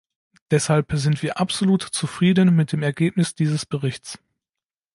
Deshalb sind wir absolut zufrieden mit dem Ergebnis dieses Berichts.